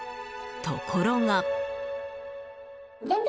ところが。